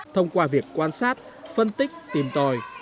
thông qua việc quan sát phân tích tìm tòi